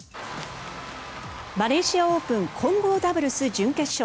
マレーシア・オープン混合ダブルス準決勝。